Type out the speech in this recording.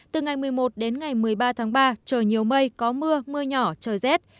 từ ngày một mươi một đến ngày một mươi ba tháng ba trời nhiều mây có mưa mưa nhỏ trời rét